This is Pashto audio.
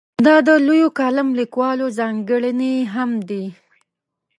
دا د لویو کالم لیکوالو ځانګړنې هم دي.